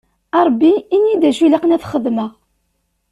A Rebbi ini-yi-d acu ilaqen ad t-xedmeɣ.